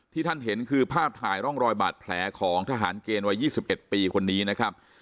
ท่านเห็นคือภาพถ่ายร่องรอยบาดแผลของทหารเกณฑ์วัย๒๑ปีคนนี้นะครับ